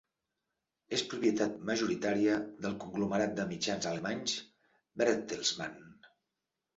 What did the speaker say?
És propietat majoritària del conglomerat de mitjans alemanys Bertelsmann.